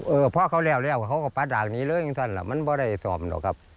เออพ่อเขาแล้วเขาก็ปัดหลังนี้เลยอย่างนั้นล่ะมันไม่ได้ซอมหรอกครับ